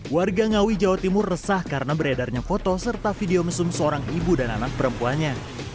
warga ngawi jawa timur resah karena beredarnya foto serta video mesum seorang ibu dan anak perempuannya